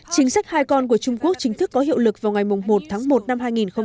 chính sách hai con của trung quốc chính thức có hiệu lực vào ngày một tháng một năm hai nghìn hai mươi